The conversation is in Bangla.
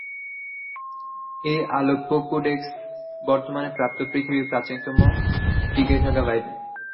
এই আলেপ্পো কোডেক্স বর্তমানে প্রাপ্ত পৃথিবীর প্রাচীনতম টিকে থাকা বাইবেল।